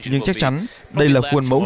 nhưng chắc chắn đây là khuôn mẫu